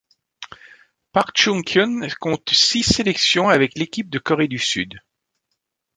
Park Choong-kyun compte six sélections avec l'équipe de Corée du Sud.